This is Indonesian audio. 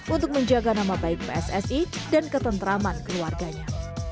untuk menjaga nama baik pssi dan ketentraman keluarganya